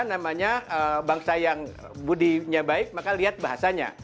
namanya bangsa yang budinya baik maka lihat bahasanya